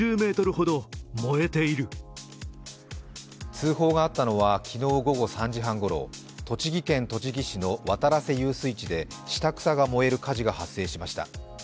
通報があったのは昨日午後３時半ごろ栃木県栃木市の渡良瀬遊水地で下草が燃える火事が発生しました。